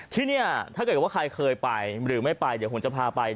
ที่นี่ถ้าเกิดว่าใครเคยไปหรือไม่ไปเดี๋ยวผมจะพาไป